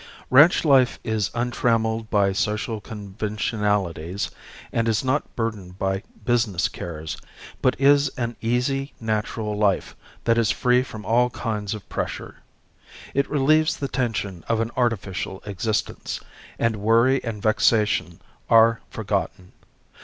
Ranch life is untrammeled by social conventionalities and is not burdened by business cares, but is an easy, natural life that is free from all kinds of pressure. It relieves the tension of an artificial existence, and worry and vexation are forgotten.